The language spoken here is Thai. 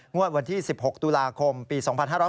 งวดวันที่๑๖ตุลาคมปี๒๕๖๐